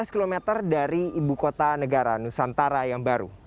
lima belas km dari ibu kota negara nusantara yang baru